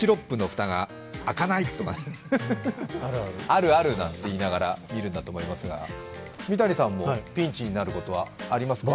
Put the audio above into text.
あるあるなんて言いながら見るんだと思いますが、三谷さんもピンチになることはありますか？